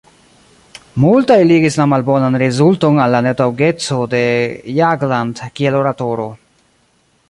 Multaj ligis la malbonan rezulton al la netaŭgeco de Jagland kiel oratoro.